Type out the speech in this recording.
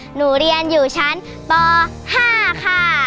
หนูเรียนอยู่ชั้นป๕ค่ะ